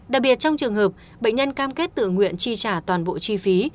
đặc biệt trong trường hợp bệnh nhân cam kết tự nguyện chi trả toàn bộ chi phí